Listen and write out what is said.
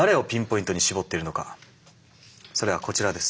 それはこちらです。